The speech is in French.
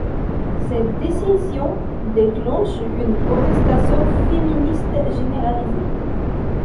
Cette décision déclenche une protestation féministe généralisée.